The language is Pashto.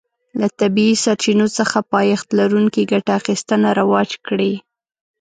له طبیعي سرچینو څخه پایښت لرونکې ګټه اخیستنه رواج کړي.